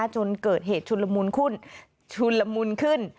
จนเกิดเหตุชุ่นละมุนขึ้น